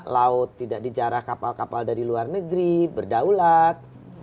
laut tidak dijarah kapal kapal dari luar negeri berdaulat